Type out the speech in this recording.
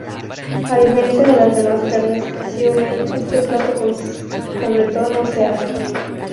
A diferencia de las demás carnes "siu mei", este plato concreto no se asa.